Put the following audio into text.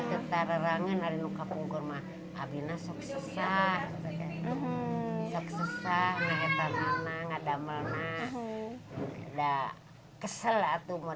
p celtare rangga mengingat ini numka punggur maragibt session arena that sounds like a successful season